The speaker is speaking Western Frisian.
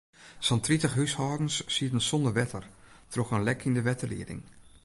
Sa'n tritich húshâldens sieten sonder wetter troch in lek yn de wetterlieding.